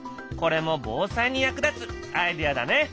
これも防災に役立つアイデアだね！